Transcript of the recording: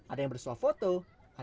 ada yang bersuap foto ada puncak